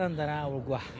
僕は。